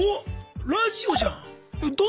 ラジオじゃん！